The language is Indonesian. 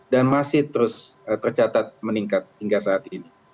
dan masih terus tercatat meningkat hingga saat ini